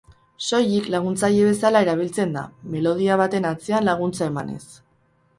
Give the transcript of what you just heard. Soilik laguntzaile bezala erabiltzen da, melodia baten atzean laguntza emanez.